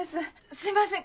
すいません